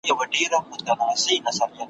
زه د لمر په کجاوه کي د سپوږمۍ تر کلي ولاړم `